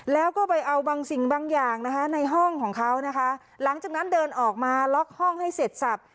แล้วก็ไปเอาบางสิ่งบางอย่างนะคะในห้องของเขานะคะหลังจากนั้นเดินออกมาล็อกห้องให้เสร็จสับ